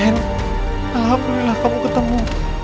kapten alhamdulillah kamu ketemu